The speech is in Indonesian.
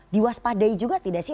diwaspadai juga tidak sih